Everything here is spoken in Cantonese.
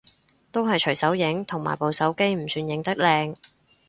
都係隨手影，同埋部手機唔算影得靚